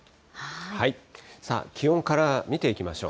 気温から見ていきましょう。